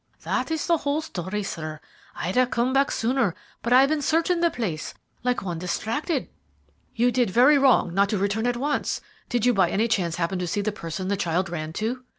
That is the whole story, sir. I'd have come back sooner, but I have been searching the place, like one distracted." "You did very wrong not to return at once. Did you by any chance happen to see the person the child ran to?"